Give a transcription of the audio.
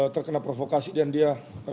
terkena provokasi dan dia